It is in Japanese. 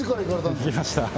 行きました